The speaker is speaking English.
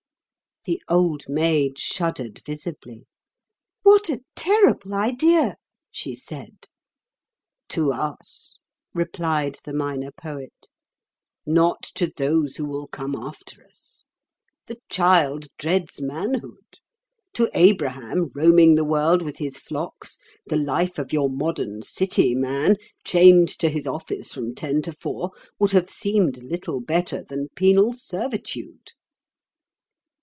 The Old Maid shuddered visibly. "What a terrible idea!" she said. "To us," replied the Minor Poet; "not to those who will come after us. The child dreads manhood. To Abraham, roaming the world with his flocks, the life of your modern City man, chained to his office from ten to four, would have seemed little better than penal servitude."